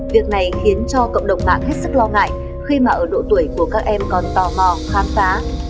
việc này khiến cho cộng đồng mạng hết sức lo ngại khi mà ở độ tuổi của các em còn tò mò khám phá